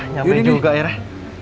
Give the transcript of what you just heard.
nyampe juga airnya